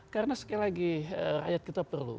karena sekali lagi rakyat kita perlu